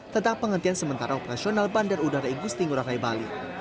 tentang penghentian sementara operasional bandar udara igusti ngurah rai bali